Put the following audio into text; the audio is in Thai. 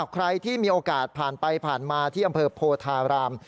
ใครที่มีโอกาสผ่านไปผ่านมาที่อำเภอโพธาราม